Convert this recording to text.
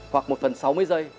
hoặc một phần sáu mươi giây